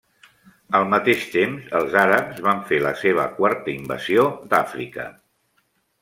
Al mateix temps els àrabs van fer la seva quarta invasió d'Àfrica.